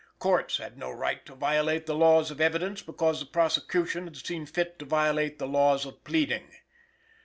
Courts had no right to violate the laws of evidence because the prosecution has seen fit to violate the laws of pleading.